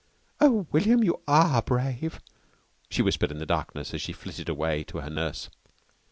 "Oh, William, you are brave!" she whispered in the darkness as she flitted away to her nurse.